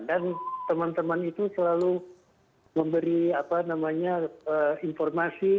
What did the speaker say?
dan teman teman itu selalu memberi informasi